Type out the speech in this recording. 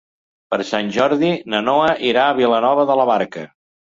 Per Sant Jordi na Noa irà a Vilanova de la Barca.